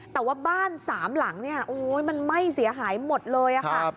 แต่ว่าบ้านสามหลังมันไหม้เสียหายหมดเลยค่ะ